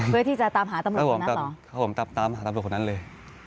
เพื่อที่จะตามหาตำรวจคนนั้นครับผมตามหาตำรวจคนนั้นเลย